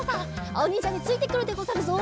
あおにんじゃについてくるでござるぞ。